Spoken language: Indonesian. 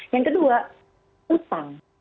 yang kedua utang